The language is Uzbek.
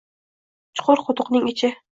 Chuqur quduqning ichi